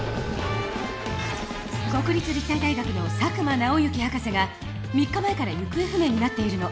国立立体大学の佐久間直之博士が３日前から行方不明になっているの。